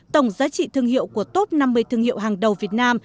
tổng giá trị thương hiệu của top năm mươi thương hiệu hàng đầu việt nam